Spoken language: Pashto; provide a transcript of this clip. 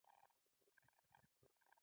یو بل کس هم ګاډۍ ته را پورته شو.